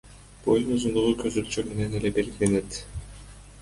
Бойдун узундугу көз өлчөм менен эле белгиленет.